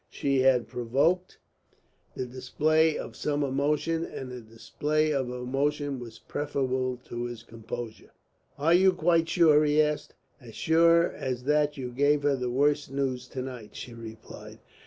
She had provoked the display of some emotion, and the display of emotion was preferable to his composure. "Are you quite sure?" he asked. "As sure as that you gave her the worst of news to night," she replied.